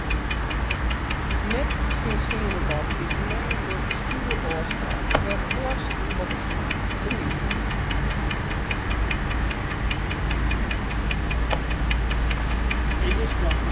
Nettsjinsteande dat is de nije Bestjoersôfspraak perfoarst in boppeslach te neamen.